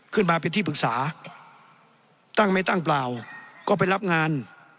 ขึ้นมาเป็นที่ปรึกษาตั้งไม่ตั้งเปล่าก็ไปรับงาน